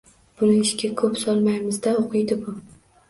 Buni ishga koʻp solmaymiz-da, oʻqiydi bu.